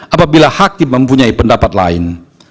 apabila hakim mempunyai pendapat lain